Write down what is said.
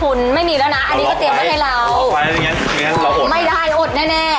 คุณผู้ชมครับวัดพระศรีมหาอุมาเทวีหรือที่คนทั่วไปรู้จักกันดีว่าวัดแขกษีลมเลยไปพร้อมกับพวกเราเลยไปขอบอนกับพวกเราค่ะ